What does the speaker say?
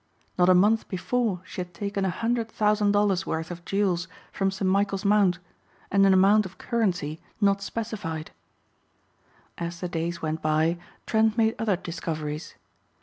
Not a month before she had taken a hundred thousand dollars' worth of jewels from St. Michael's Mount and an amount of currency not specified. As the days went by Trent made other discoveries.